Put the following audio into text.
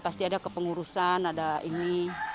pasti ada kepengurusan ada ini